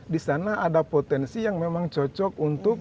di sana ada potensi yang memang cocok untuk